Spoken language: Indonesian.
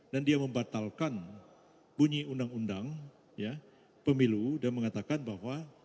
dan dia membatalkan bunyi undang undang pemilu dan mengatakan bahwa